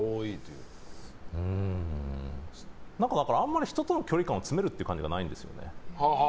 うーんあまり人との距離感を詰めるっていう感じがないんです。